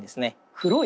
黒い